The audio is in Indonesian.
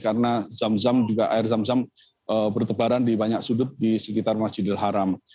karena zam zam juga air zam zam bertebaran di banyak sudut di sekitar masjidil haram